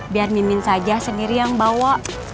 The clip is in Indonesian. biar mimin saja sendiri yang bawa